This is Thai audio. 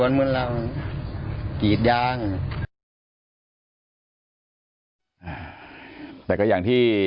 ดูนักทำไป